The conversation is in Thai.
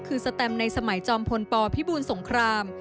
คือสแตมในสมัยจอมพลปพิบูลสงคราม